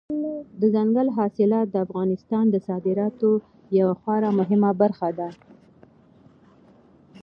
دځنګل حاصلات د افغانستان د صادراتو یوه خورا مهمه برخه ده.